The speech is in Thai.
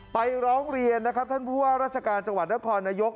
ร้องเรียนนะครับท่านผู้ว่าราชการจังหวัดนครนายก